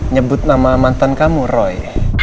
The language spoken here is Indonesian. nyebut nama mantan kamu roy